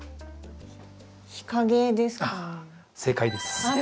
日陰ですかね。